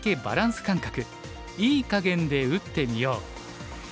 バランス感覚“いい”かげんで打ってみよう」。